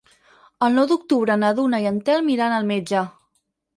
El nou d'octubre na Duna i en Telm iran al metge.